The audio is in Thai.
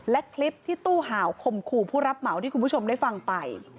และคลิปที่ตู้ห่าวคมขู่ผู้รับเหมาที่คุณผู้ชมได้ฟังไป